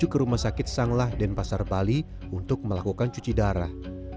menuju ke rumah sakit sanglah denpasar bali untuk melakukan cuci darah